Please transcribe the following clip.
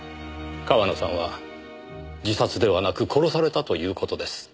川野さんは自殺ではなく殺されたという事です。